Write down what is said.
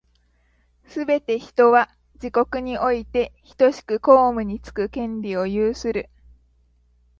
すべて人は、自国においてひとしく公務につく権利を有する。